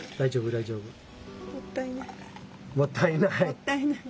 もったいない。